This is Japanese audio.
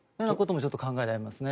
ちょっと考えられますね。